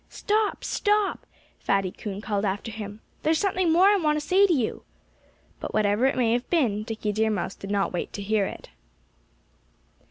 "Stop! Stop!" Fatty Coon called after him. "There's something more I want to say to you." But whatever it may have been, Dickie Deer Mouse did not wait to hear it.